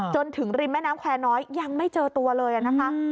จนถึงริมแม่น้ำแควร์น้อยยังไม่เจอตัวเลยนะคะ